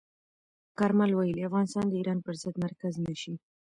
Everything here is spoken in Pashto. کارمل ویلي، افغانستان د ایران پر ضد مرکز نه شي.